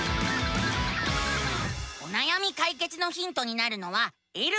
おなやみ解決のヒントになるのは「えるえる」。